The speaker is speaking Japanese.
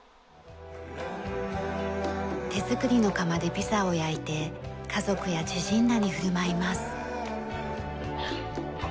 手作りの窯でピザを焼いて家族や知人らに振る舞います。